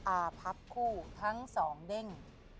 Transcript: อาพักคู่ทั้งสองเด้ง